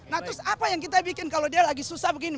nah terus apa yang kita bikin kalau dia lagi susah begini